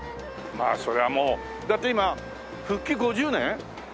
まあそりゃもうだって今復帰５０年？